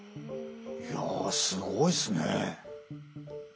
いやすごいっすね。